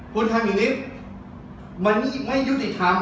คุณทำอย่างนี้มันยิ่งไม่ยุติธรรม